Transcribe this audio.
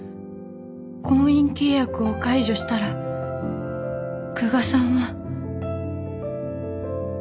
婚姻契約を解除したら久我さんは。